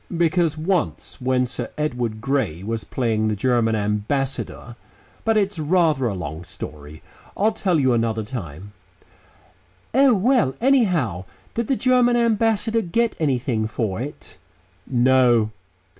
"Because once, when Sir Edward Grey was playing the German Ambassador but it's rather a long story. I'll tell you another time." "Oh! Well, anyhow, did the German Ambassador get anything for it?" "No."